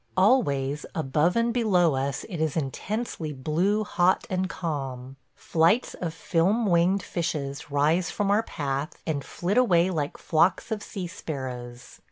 ... Always above and below us it is intensely blue, hot, and calm. Flights of film winged fishes rise from our path and flit away like flocks of sea sparrows.